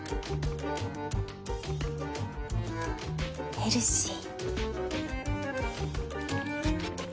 ヘルシー。